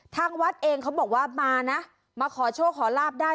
ทางวัดเองเขาบอกว่ามานะมาขอโชคขอลาบได้